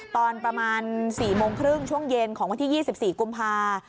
ตอนประมาณ๔โมงครึ่งช่วงเย็นของวันที่๒๔กุมภา